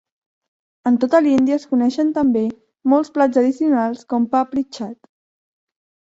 En tota l'Índia es coneixen també molts plats addicionals com papri chaat.